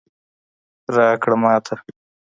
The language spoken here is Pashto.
راکړه ماته